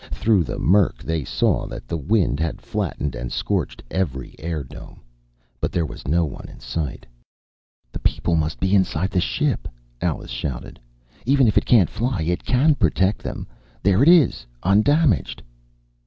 Through the murk they saw that the wind had flattened and scorched every airdome. But there was no one in sight. "The people must be inside the ship!" Alice shouted. "Even if it can't fly, it can protect them! There it is, undamaged!..."